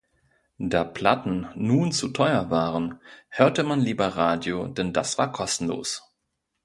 Da Platten nun zu teuer waren, hörte man lieber Radio, denn das war kostenlos.